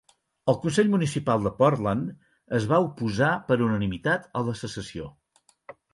El Consell Municipal de Portland es va oposar per unanimitat a la secessió.